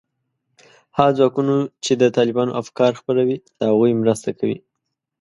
هغه ځواکونو چې د طالبانو افکار خپروي، د هغوی مرسته کوي